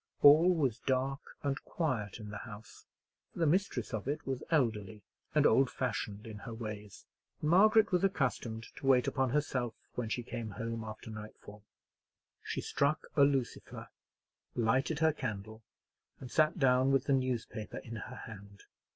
All was dark and quiet in the house, for the mistress of it was elderly and old fashioned in her ways; and Margaret was accustomed to wait upon herself when she came home after nightfall. She struck a lucifer, lighted her candle, and sat down with the newspaper in her hand.